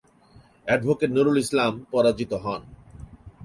Advocate Nurul Islam পরাজিত হন।